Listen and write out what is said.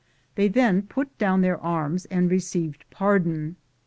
They then put down their arms and received pardon.